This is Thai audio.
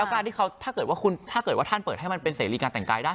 แล้วการที่เขาถ้าเกิดว่าท่านเปิดให้มันเป็นเสรีการแต่งกายได้